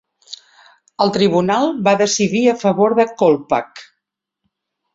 El tribunal va decidir a favor de Kolpak.